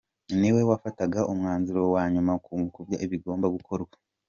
Niwe wafataga umwanzuro wa nyuma kubyabaga bigomba gukorwa.